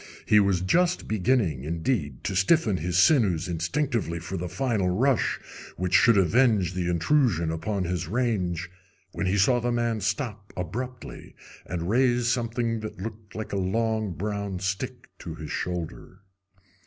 He was just beginning, indeed, to stiffen his sinews instinctively for the final rush which should avenge the intrusion upon his range, when he saw the man stop abruptly and raise something that looked like a long brown stick to his shoulder.